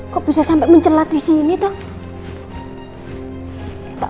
kok bisa sampe mencelat disini tuh